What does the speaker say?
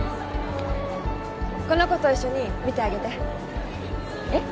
この子と一緒に見てあげてえっ？